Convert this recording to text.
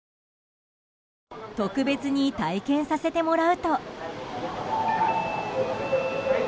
特別に体験させてもらうと。